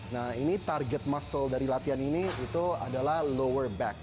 nah ini target muscle dari latihan ini itu adalah lower back